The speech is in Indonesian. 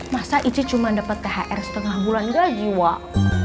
masa iji cuma dapet thr setengah bulan gaji wak